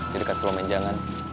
di dekat pulau menjangan